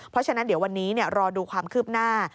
เพราะฉะนั้นเดี๋ยววันนี้รอดูความคืบหน้า